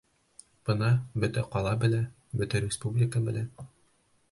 Быны бөтә ҡала белә, бөтә республика белә!